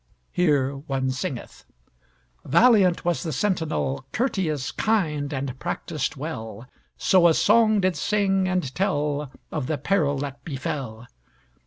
Here one singeth: Valiant was the sentinel, Courteous, kind, and practiced well, So a song did sing and tell, Of the peril that befell.